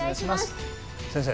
先生